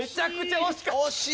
惜しい！